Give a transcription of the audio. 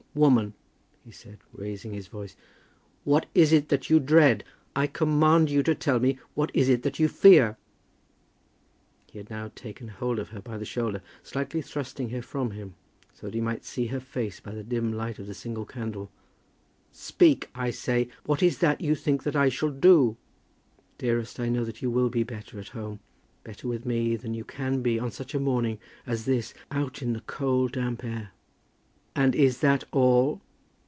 "Woman," he said, raising his voice, "what is it that you dread? I command you to tell me what is it that you fear?" He had now taken hold of her by the shoulder, slightly thrusting her from him, so that he might see her face by the dim light of the single candle. "Speak, I say. What is that you think that I shall do?" "Dearest, I know that you will be better at home, better with me, than you can be on such a morning as this out in the cold damp air." "And is that all?"